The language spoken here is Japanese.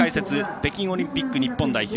北京オリンピック日本代表